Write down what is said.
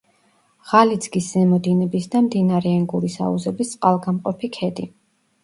ღალიძგის ზემო დინების და მდინარე ენგურის აუზების წყალგამყოფი ქედი.